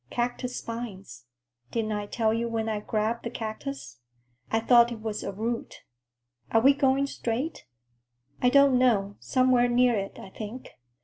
"Cactus spines. Didn't I tell you when I grabbed the cactus? I thought it was a root. Are we going straight?" "I don't know. Somewhere near it, I think.